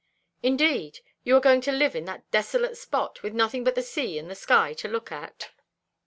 "Indeed! You are going to live in that desolate spot, with nothing but the sea and the sky to look at?"